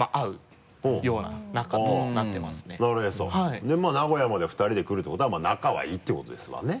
で名古屋まで２人で来るってことはまぁ仲はいいってことですわね？